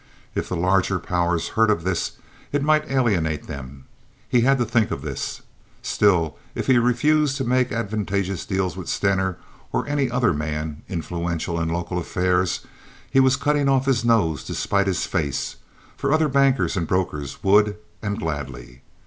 If the larger powers heard of this, it might alienate them. He had to think of this. Still, if he refused to make advantageous deals with Stener or any other man influential in local affairs, he was cutting off his nose to spite his face, for other bankers and brokers would, and gladly.